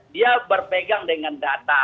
dia berpegang dengan data